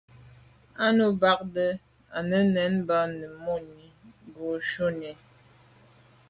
Á nǔm bâdə̀ á nə̀ bàdə̌ mùní bû shúnì.